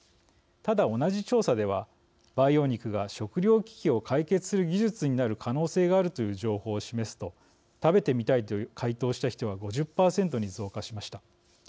ただ、同じ調査では培養肉が食料危機を解決する技術になる可能性があるという情報を示すと食べてみたいと回答した人は５０％に増加しました。